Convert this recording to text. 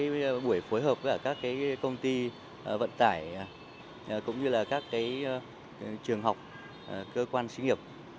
với các công ty vận tải cũng như các trường học cơ quan sĩ nghiệp